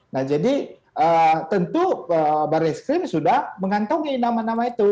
nah jadi tentu barney scream ini sudah mengantungi nama nama itu